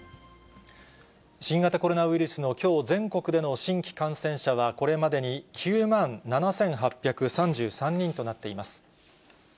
新型コロナウイルスのきょう全国での新規感染者は、これまでに９万７８３３人となっています。